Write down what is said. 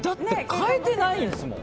変えてないですもん。